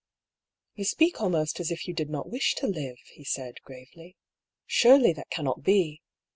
" You speak almost as if you did not wish to live," he said gravely. "Surely that cannot be.